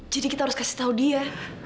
jadi kita harus kasih tahu dia